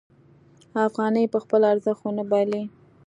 افغانۍ به خپل ارزښت ونه بایلي.